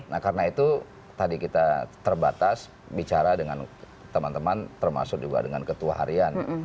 nah karena itu tadi kita terbatas bicara dengan teman teman termasuk juga dengan ketua harian